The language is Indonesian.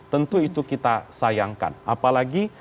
tentu itu kita sayangkan apalagi